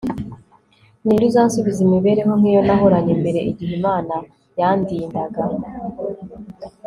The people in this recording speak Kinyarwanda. ni nde uzansubiza imibereho nk'iyo nahoranye mbere, igihe imana yandindaga